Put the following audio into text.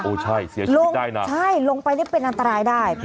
ใช่เสียชีวิตได้นะใช่ลงไปนี่เป็นอันตรายได้